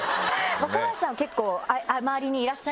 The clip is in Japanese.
若林さんは結構。